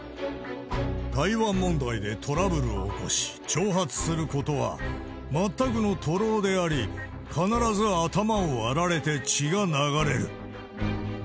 台湾問題でトラブルを起こし、挑発することは、全くの徒労であり、必ず頭を割られて血が流れる。